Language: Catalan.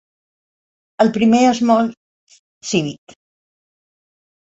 El primer és molt "cívic".